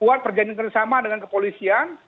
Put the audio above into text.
buat perjanjian yang sama dengan kepolisian